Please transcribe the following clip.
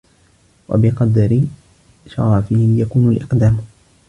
وَبِقَدْرِ شَرَفِهِ يَكُونُ الْإِقْدَامُ